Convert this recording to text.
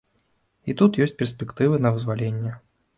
І тут ёсць перспектывы на вызваленне.